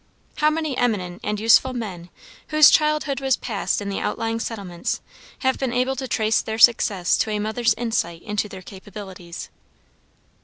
How many eminent and useful men whose childhood was passed in the outlying settlements have been able to trace their success to a mother's insight into their capabilities.